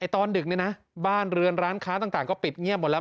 ตอนดึกบ้านเรือนร้านค้าต่างก็ปิดเงียบหมดแล้ว